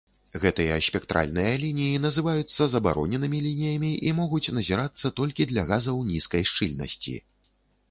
Гэтыя спектральныя лініі называюцца забароненымі лініямі і могуць назірацца толькі для газаў нізкай шчыльнасці.